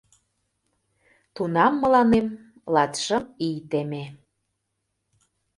Тунам мыланем латшым ий теме...